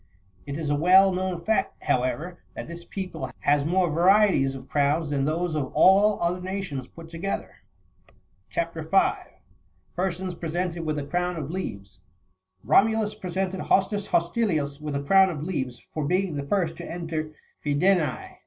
It is a well known fact, however, that this people has more varieties of crowns than those of all other nations put together. CHAP. 5. PEESONS PEESENTED WITH A CROWtf OF LEAVES. Romulus presented Hostus Hostilius30 with a crown of leaves, for being the first to enter Fidense.